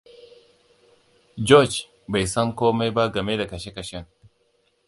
Gorege bai san komai ba game da kashe-kashen.